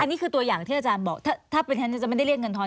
อันนี้คือตัวอย่างที่อาจารย์บอก